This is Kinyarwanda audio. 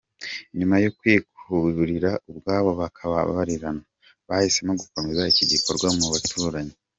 Nyuma yo kwihurira ubwabo bakababarirana, bahisemo gukomeza iki gikorwa mu bo baturanye.